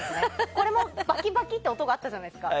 これも、バキバキって音があったじゃないですか。